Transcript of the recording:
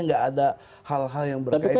nggak ada hal hal yang berkaitan